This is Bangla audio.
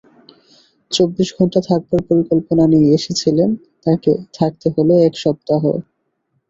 চব্বিশ ঘণ্টা থাকবার পরিকল্পনা নিয়ে এসেছিলেন, তাকৈ থাকতে হলো এক সপ্তাহ।